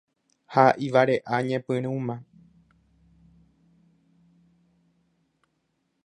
Ha ivare'añepyrũma.